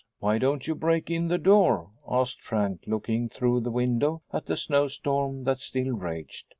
"Why don't you break in the door?" asked Frank, looking through the window at the snow storm that still raged.